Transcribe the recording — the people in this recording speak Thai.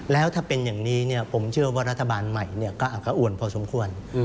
แล้วถ้าเป็นอย่างนี้ผมเชื่อว่ารัฐบาลใหม่ก็อวนพอสมควร